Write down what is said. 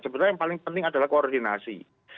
sebetulnya yang paling penting adalah koordinasi